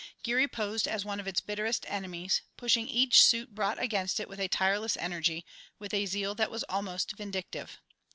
Geary posed as one of its bitterest enemies, pushing each suit brought against it with a tireless energy, with a zeal that was almost vindictive.